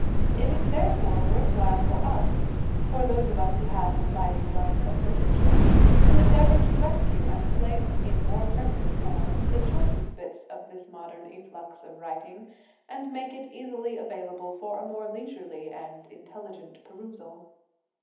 It is, therefore, worth while for us for those of us who have an abiding love of literature to endeavor to rescue and place in more permanent form the choicest bits of this modern efflux of writing, and make it easily available for a more leisurely and intelligent perusal.